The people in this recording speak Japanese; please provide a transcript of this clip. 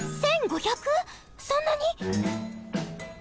そんなに！？